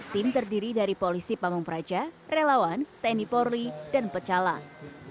tim terdiri dari polisi pamung praja relawan tni polri dan pecalang